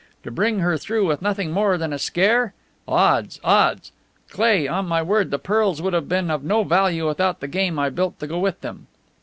To bring her through with nothing more than a scare! Odds, odds! Cleigh, on my word, the pearls would have been of no value without the game I built to go with them.